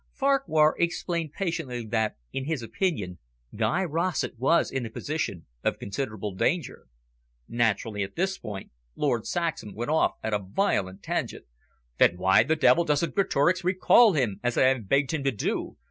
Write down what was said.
Farquhar explained patiently that, in his opinion, Guy Rossett was in a position of considerable danger. Naturally, at this point, Lord Saxham went off at a violent tangent. "Then why the devil doesn't Greatorex recall him, as I have begged him to do.